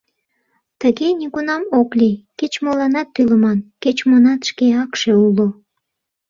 Тыге нигунам ок лий: кеч-моланат тӱлыман, кеч-монат шке акше уло.